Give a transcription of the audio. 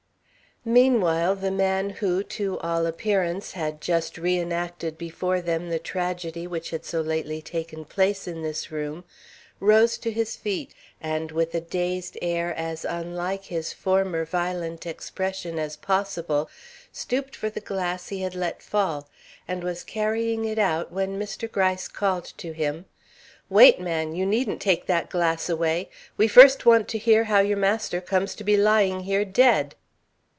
Meanwhile the man who, to all appearance, had just re enacted before them the tragedy which had so lately taken place in this room, rose to his feet, and, with a dazed air as unlike his former violent expression as possible, stooped for the glass he had let fall, and was carrying it out when Mr. Gryce called to him: "Wait, man! You needn't take that glass away. We first want to hear how your master comes to be lying here dead."